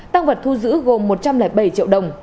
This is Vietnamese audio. tăng vật thu giữ gồm một trăm linh bảy triệu đồng